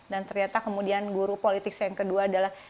dan ternyata kemudian guru politik saya yang kedua adalah